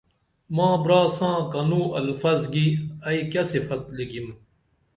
ماں برا ساں کنوں الفظ گی ائی کیہ صفت لِکِم